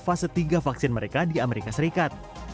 ketiga vaksin mereka di amerika serikat